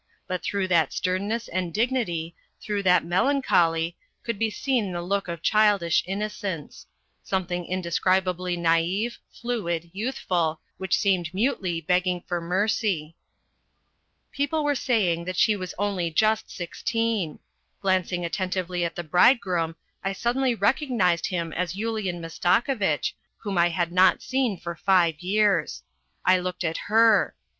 But through that sternness and dignity, through that melancholy, could be seen the look of childish innocence; something indescribably nai've, fluid, youthful, which seemed mutely begging for mercy. People w T ere saying that she was only just sixteen. Glancing attentively at the bridegroom, I suddenly recognized him as Yulian Mastakovitch, whom I had not seen for five years. I looked at her.